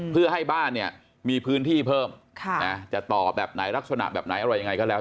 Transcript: เพื่อให้บ้านเนี่ยมีพื้นที่เพิ่มจะต่อแบบไหนลักษณะแบบไหนอะไรยังไงก็แล้ว